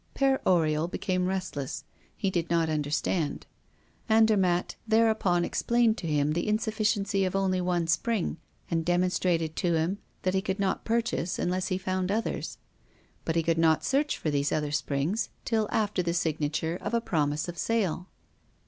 Père Oriol became restless. He did not understand. Andermatt thereupon explained to him the insufficiency of only one spring, and demonstrated to him that he could not purchase unless he found others. But he could not search for these other springs till after the signature of a promise of sale.